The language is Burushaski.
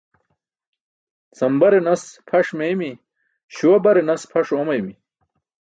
Sambare nas pʰaṣ meeymi̇, śuwa bare nas pʰaṣ oomaymi.